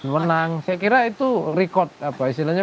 menang saya kira itu rekod apa istilahnya